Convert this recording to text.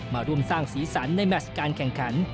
มาร่วมสร้างศีรษรรณในแมทการแข่งขัน